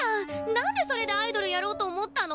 なんでそれでアイドルやろうと思ったの？